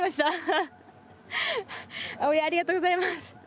応援ありがとうございます。